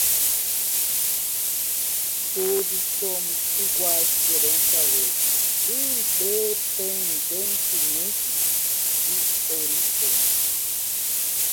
Todos somos iguais perante a lei, independentemente de origem.